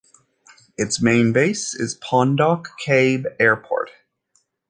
Its main base is Pondok Cabe Airport.